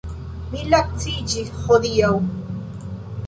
Mi laciĝis hodiaŭ.